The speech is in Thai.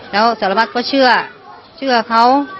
แล้วสารวัตรก็เชื่อเชื่อเขา